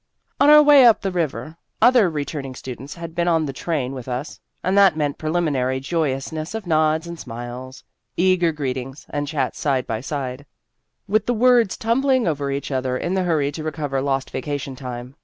On our way up the river, other return ing students had been on the train with us ; and that meant preliminary joyous ness of nods and smiles, eager greetings, and chats side by side, with the words tumbling over each other in the hurry to recover lost vacation time.